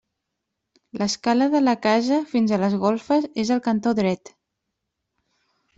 L'escala de la casa, fins a les golfes, és al cantó dret.